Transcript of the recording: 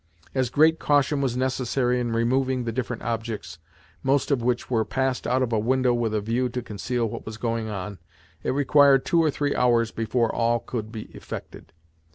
As great caution was necessary in removing the different objects, most of which were passed out of a window with a view to conceal what was going on, it required two or three hours before all could be effected.